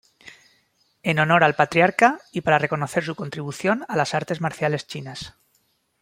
En honor al Patriarca, y para reconocer su contribución a las Artes Marciales Chinas.